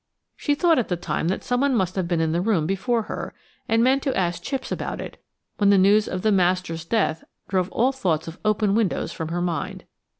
She thought at the time that someone must have been in the room before her, and meant to ask Chipps about it, when the news of the master's death drove all thoughts of open windows from her mind.